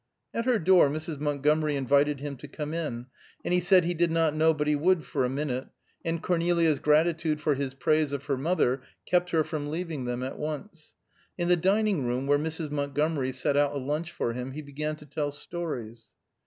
At her door Mrs. Montgomery invited him to come in, and he said he did not know but he would for a minute, and Cornelia's gratitude for his praise of her mother kept her from leaving them at once. In the dining room, where Mrs. Montgomery set out a lunch for him, he began to tell stories.